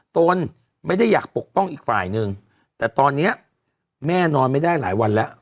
ตนไม่ได้อยากปกป้องอีกฝ่ายนึงแต่ตอนนี้แม่นอนไม่ได้หลายวันแล้ว